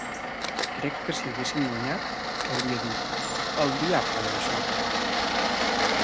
Crec que si haguéssim guanyat, hauria dit, "Al diable amb això".